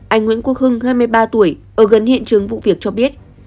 anh nguyễn quốc hưng hai mươi ba tuổi ở gần hiện trường vụ việc cho biết